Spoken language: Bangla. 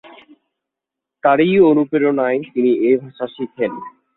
তারই অনুপ্রেরণায় তিনি এ ভাষা শিখেন।